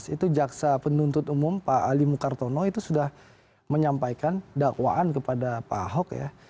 itu jaksa penuntut umum pak ali mukartono itu sudah menyampaikan dakwaan kepada pak ahok ya